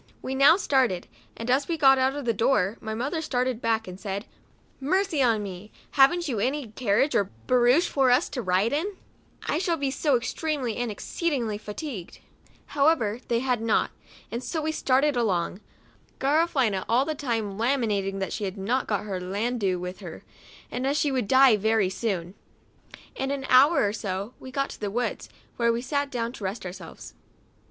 We now started, and as we got out of the door, my mother started back, and said, " Mercy on me ! haven't you any carriage 70 MEMOIRS OF A or barouche for us to ride in, I shall be so extremely and exceedingly fatigued 1 " However, they had not, and so we started along ; Garafelina all the time lamenting that she had not got her " landau" with her, as she would die very soon. In an hour or so we got to the woods, where we sat down to rest ourselves.